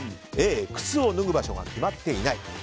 Ａ、靴を脱ぐ場所が決まっていない。